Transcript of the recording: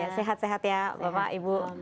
sehat sehat ya bapak ibu